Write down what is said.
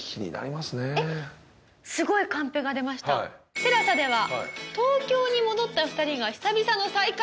ＴＥＬＡＳＡでは東京に戻った２人が久々の再会。